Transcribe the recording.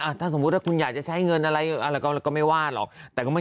อ่าถ้าสมมุติว่าคุณอยากจะใช้เงินอะไรอะไรก็แล้วก็ไม่ว่าหรอกแต่มัน